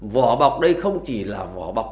vỏ bọc đây không chỉ là vỏ bọc